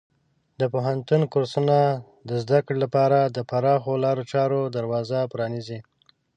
د پوهنتون کورسونه د زده کړې لپاره د پراخو لارو چارو دروازه پرانیزي.